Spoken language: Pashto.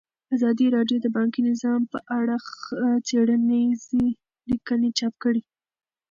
ازادي راډیو د بانکي نظام په اړه څېړنیزې لیکنې چاپ کړي.